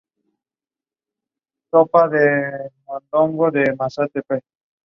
Ababil and Karrar unmanned aerial vehicles were used to monitor the drill.